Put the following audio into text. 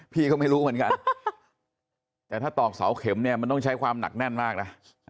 พี่ก็ไม่รู้เหมือนกันแต่ถ้าตอกเสาเข็มเนี่ยมันต้องใช้ความหนักแน่นมากนะ